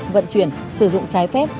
vận chuyển sử dụng trái phép